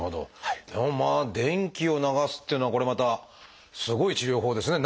でもまあ電気を流すっていうのはこれまたすごい治療法ですね。